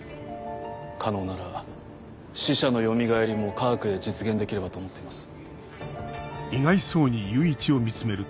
可能なら死者のよみがえりも科学で実現できればと思っています。